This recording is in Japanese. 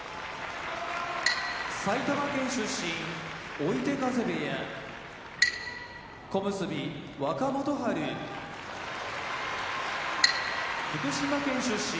埼玉県出身追手風部屋小結・若元春福島県出身